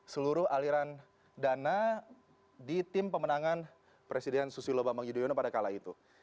seluruh aliran dana di tim pemenangan presiden susilo bambang yudhoyono pada kala itu